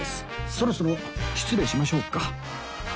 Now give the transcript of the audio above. そろそろ失礼しましょうか